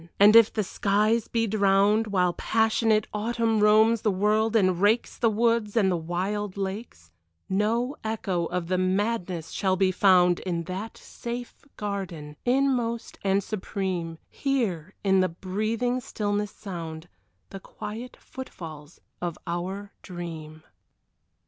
And if the skies be drowned While passionate Autumn roams the world and rakes The woods and the wild lakes, No echo of the madness shall be found In that safe garden, inmost and supreme, here in the breathing stillness sound The quiet footfalls of our Dream.